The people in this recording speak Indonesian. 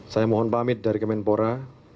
saya mohon pamit dari kemenpora